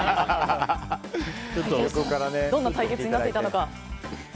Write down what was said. どんな対決になっていたのか。